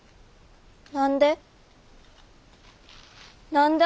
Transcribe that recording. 何で？